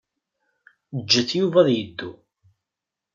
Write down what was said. Ǧǧet Yuba ad yeddu.